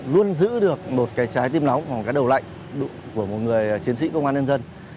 luôn giữ được một cái trái tim nóng một cái đầu lạnh của một người chiến sĩ công an